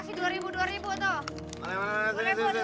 serem duitnya banyak